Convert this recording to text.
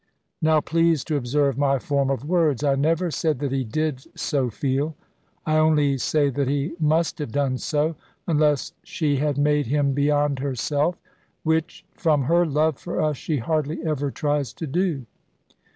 Now please to observe my form of words. I never said that he did so feel, I only say that he must have done so, unless she had made him beyond herself; which, from her love for us, she hardly ever tries to do.